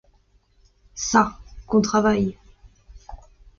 Çà, qu’on travaille!